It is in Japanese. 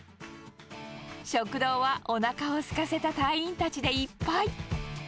食堂はおなかをすかせた隊員たちでいっぱい。